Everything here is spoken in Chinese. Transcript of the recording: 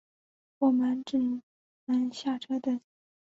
我们只能下车等